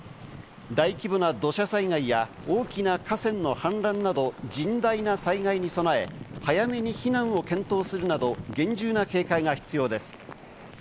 大規模な土砂災害や大きな河川の氾濫など、甚大な災害に備え、早めに避難を検討するなど、厳重な警戒が必要です。